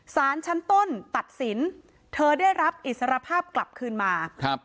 สารชั้นต้นตัดสินเธอได้รับอิสรภาพกลับคืนมาครับ